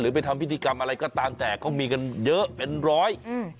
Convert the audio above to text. ไปทำพิธีกรรมอะไรก็ตามแต่เขามีกันเยอะเป็นร้อยอืม